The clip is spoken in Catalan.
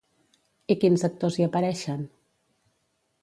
I quins actors hi apareixen?